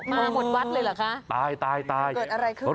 มาหมดวัดเลยเหรอคะตายเกิดอะไรขึ้น